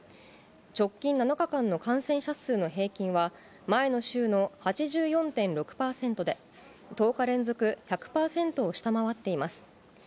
直近７日間の感染者数の平均は、前の週の８４．６％で、１０日連続１００％を下回っています。